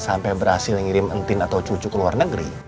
sampai berhasil ngirim entin atau cucu ke luar negeri